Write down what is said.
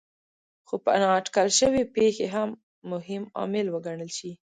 خو په نااټکل شوې پېښې هم مهم عامل وګڼل شي.